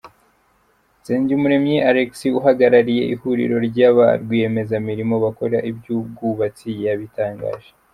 Nsengumuremyi Alexis, uhagarariye ihuriro rya ba rwiyemezamirimo bakora iby’ubwubatsi yabitangaje.